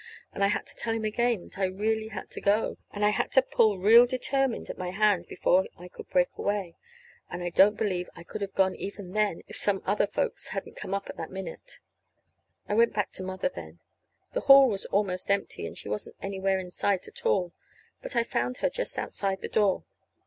And I had to tell him again that I really had to go; and I had to pull real determined at my hand, before I could break away. And I don't believe I could have gone even then if some other folks hadn't come up at that minute. I went back to Mother then. The hall was almost empty, and she wasn't anywhere in sight at all; but I found her just outside the door.